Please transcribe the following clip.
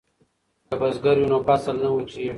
که بزګر وي نو فصل نه وچېږي.